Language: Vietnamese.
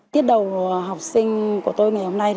tiết đầu học sinh của tôi ngày hôm nay